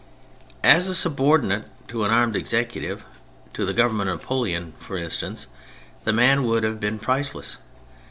As a subordinate to an armed executive, to the Government of Napoleon, for instance, the man would have been priceless.